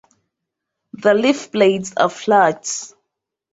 The leaf blades are flat.